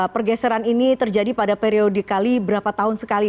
pergeseran ini terjadi pada periode kali berapa tahun sekali